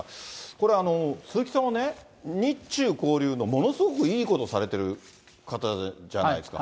これ、鈴木さんはね、日中交流のものすごくいいことされてる方じゃないですか。